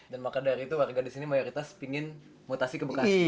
dan maka dari itu warga di sini mayoritas ingin mutasi ke bekasi